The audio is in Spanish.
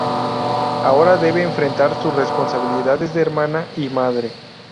Ahora debe enfrentar sus responsabilidades de hermana y madre.